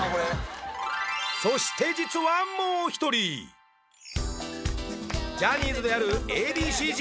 そして実はもう一人ジャニーズであるＡ．Ｂ．Ｃ−Ｚ